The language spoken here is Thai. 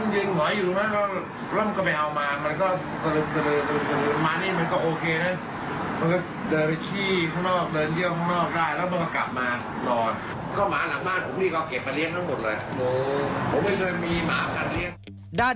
ด้านหน้า